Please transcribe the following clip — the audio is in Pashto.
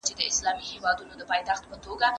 سیاستپوهنه د ټولنې هنداره ده.